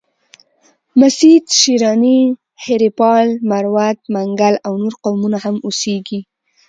مسید، شیراني، هیریپال، مروت، منگل او نور قومونه هم اوسیږي.